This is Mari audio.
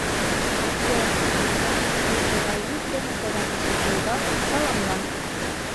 Куэр акамла весела йӱк дене тора гычак волгалтын саламла!